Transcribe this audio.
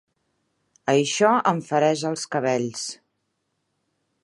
Això em fereix els cabells.